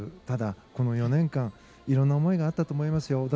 ただ、この４年間色んな思いがあったと思いますよ。